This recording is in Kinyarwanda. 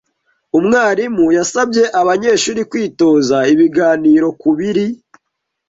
Umwarimu yasabye abanyeshuri kwitoza ibiganiro kubiri.